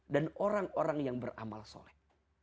dan orang orang yang beramal sholat